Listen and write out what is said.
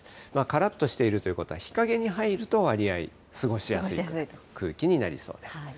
からっとしているということは、日陰に入ると割合過ごしやすい空気になりそうです。